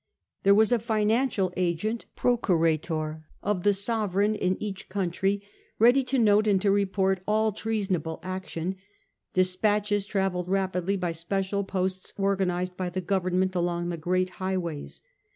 There was a finan cial agent (procurator) of the sovereign in each country, ready to note and to report all treasonable action ; despatches travelled rapidly by special posts organized by the government along the great highways.